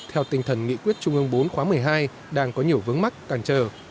theo tinh thần nghị quyết trung ương bốn khóa một mươi hai đang có nhiều vướng mắt càng chờ